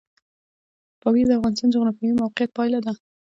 پامیر د افغانستان د جغرافیایي موقیعت پایله ده.